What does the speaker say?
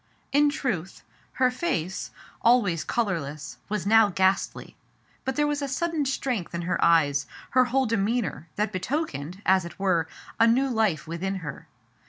In truth, her face, always colorless, was now ghastly ; but there was a sudden strength in her eyes, her whole demeanor, that betokened, as it were, a new life within her.